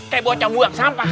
kayak boceng buang sampah